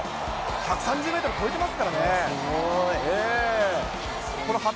１３０メートル越えてますからね。